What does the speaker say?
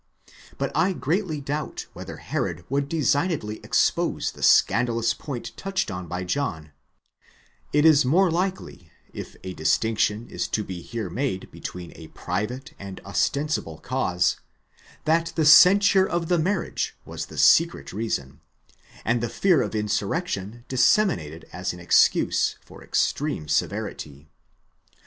But I greatly doubt whether Herod would designedly expose the scandalous point touched on by John; it is more likely, if a distinction is to be here made between a private and ostensible cause, that the censure of the marriage was the secret reason, and the fear of insurrection disseminated as an excuse for extreme severity.